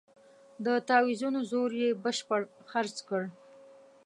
د تاویزونو زور یې بشپړ خرڅ کړ.